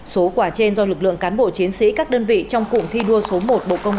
số quà trên do lực lượng cán bộ chiến sĩ các đơn vị trong cụng thi đua số một bộ công an đã tự nguyện khuyên góp ủng hộ